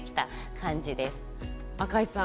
赤石さん